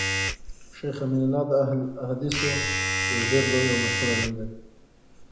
شيخ امین الله د اهل الحديثو يو ډير لوی او مشهور عالم دی